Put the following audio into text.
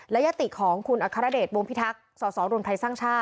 และยัติของคุณอคารเดชบพิทักษ์สศภศ